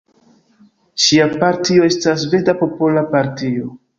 Ŝia partio estas Sveda Popola Partio.